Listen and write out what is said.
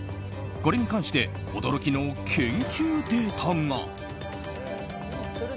これに関して驚きの研究データが。